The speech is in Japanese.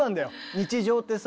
日常ってさ。